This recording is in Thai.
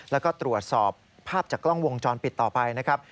แล้วก็ตรวจสอบภาพจากกล้องวงจรปิดต่อไปนะครับ